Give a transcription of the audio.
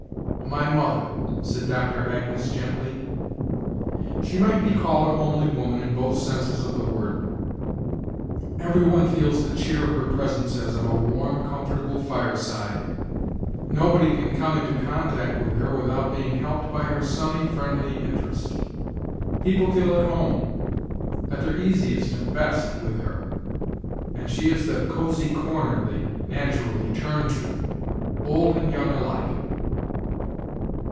"My mother," said Doctor Agnes, gently. "She might be called a homely woman in both senses of the word. Every one feels the cheer of her presence as of a warm, comfortable fire side. Nobody can come into contact with her without being helped by her sunny, friendly interest. People feel at home at their easiest and best with her, and she is the 'cozy corner' they naturally turn to, old and young alike."